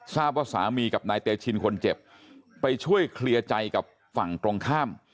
ทราบว่าสามีกับนายเตชินคนเจ็บไปช่วยเคลียร์ใจกับฝั่งตรงข้าม